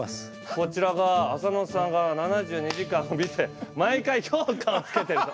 こちらが浅野さんが「７２時間」を見て毎回評価をつけてると。